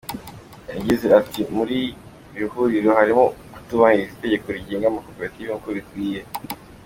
Yagize ati “Muri iri huriro harimo kutubahiriza iteko rigenga amakoperative nk’uko bikwiye.